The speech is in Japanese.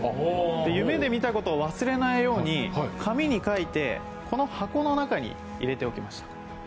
夢で見たことを忘れないように紙に書いてこの箱の中に入れておきました。